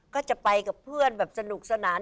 ก็จะไปกับเพื่อนแบบสนุกสนาน